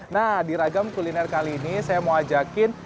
nah di ragam kuliner kali ini saya mau ajakin